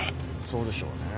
そうでしょうね。